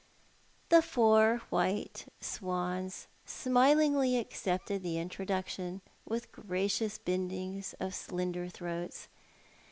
The four white swans smilingly accepted the introduction, with gracious bondings of slender throats.